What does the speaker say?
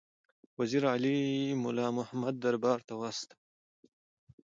وزیر علي مُلا محمد دربار ته واستاوه.